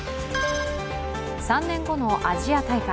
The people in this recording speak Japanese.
３年後のアジア大会。